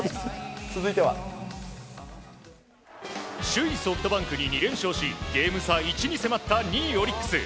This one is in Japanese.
首位ソフトバンクに２連勝しゲーム差２に迫った２位オリックス。